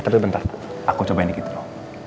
eh tapi bentar aku cobain dikit dulu